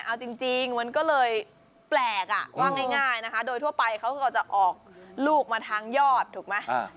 เอาจริงมันก็เลยแปลกอ่ะว่าง่ายนะคะโดยทั่วไปเขาก็จะออกลูกมาทางยอดถูกไหม